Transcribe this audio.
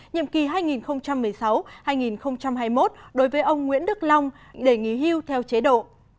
nhiệm kỳ hai nghìn một mươi sáu hai nghìn hai mươi một đối với ông nguyễn đức long để nghỉ hưu theo chế độ